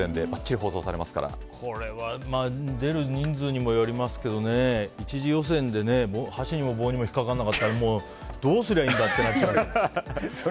これは出る人数にもよりますが１次予選で箸にも棒にも引っかからなかったらもうどうすりゃいいんだ？ってなっちゃうよね。